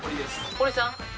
堀さん？